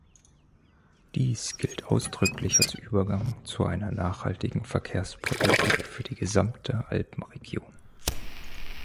Dies gilt ausdrücklich als Übergang zu einer nachhaltigen Verkehrspolitik für die gesamte Alpenregion.